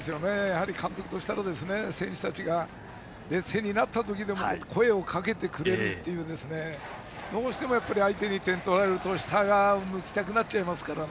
監督としたら選手たちが劣勢になった時でも声をかけてくれるというどうしても相手に点を取られると下を向きたくなっちゃいますから。